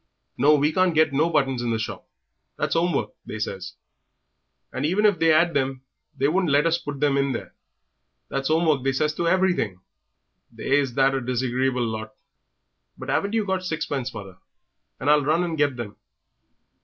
"No, we can't get no buttons in the shop: that's 'ome work, they says; and even if they 'ad them they wouldn't let us put them in there. That's 'ome work they says to everything; they is a that disagreeable lot." "But 'aven't you got sixpence, mother? and I'll run and get them."